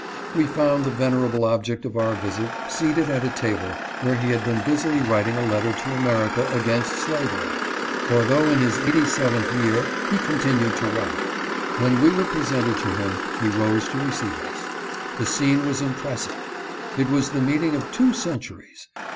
We found the venerable object of our visit seated at a table where he had been busily writing a letter to America against slavery ; for though in his eighty seventh year, he continued to write. When we were presented to him, he rose to receive us. The scene was impressive. It was the meeting of two centuries.